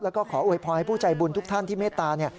แล้วก็ขออวยพรให้ผู้ใจบุญทุกท่านที่เมตตา